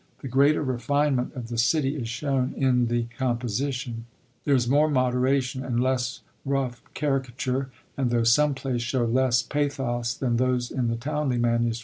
The greater refinement of the city is shown in the composition ; there is more moderation and less rough caricature, and tho* sOme plays show less pathos than those in the Towneley MS.